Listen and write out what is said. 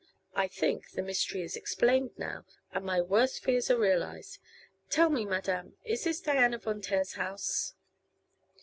I think the mystery is explained, now, and my worst fears are realized. Tell me, Madame, is this Diana Von Taer's house?"